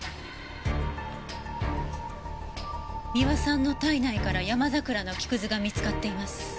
三輪さんの体内からヤマザクラの木屑が見つかっています。